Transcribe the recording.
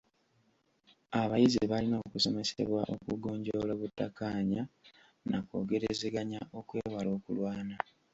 Abayizi balina okusomesebwa okugonjoola obutakkaanya na kwogerezaganya okwewala okulwana.